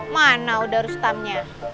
mana udara ustamnya